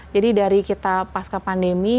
jadi dari kita pas ke pandemi